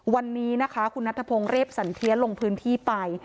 วันนี้นะคะคุณนัทพงศ์เรียบสันเทียนลงพื้นที่ไป